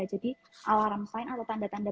jadi alarm sign atau tanda tanda